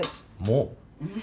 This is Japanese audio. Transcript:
もう？